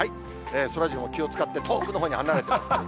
そらジローも気を遣って、遠くのほうに離れてます。